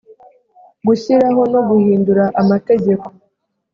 gushyiraho no guhindura amategeko